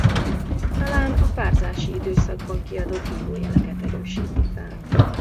Talán a párzási időszakban kiadott hívójeleket erősíti fel.